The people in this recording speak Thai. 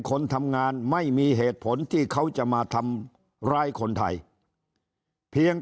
คนทำงานไม่มีเหตุผลที่เขาจะมาทำร้ายคนไทยเพียง